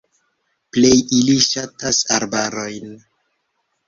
Plej ili ŝatas arbarojn.